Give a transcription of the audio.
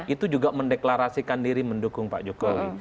itu juga mendeklarasikan diri mendukung pak jokowi